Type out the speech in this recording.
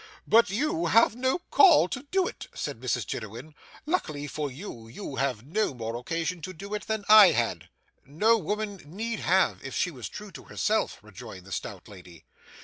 'But you have no call to do it,' said Mrs Jiniwin. 'Luckily for you, you have no more occasion to do it than I had.' 'No woman need have, if she was true to herself,' rejoined the stout lady.